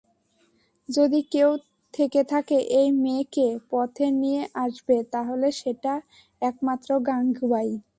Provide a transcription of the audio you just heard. যদি কেউ থেকে থাকে এই মেয়েকে পথে নিয়ে আসবে তাহলে সেটা একমাত্র গাঙুবাই।